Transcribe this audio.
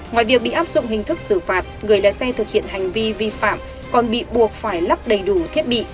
ngoài việc bị áp dụng hình thức xử phạt người lái xe thực hiện hành vi vi phạm còn bị buộc phải lắp đầy đủ thiết bị